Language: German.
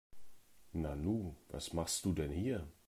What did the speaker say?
Nanu, was machst du denn hier?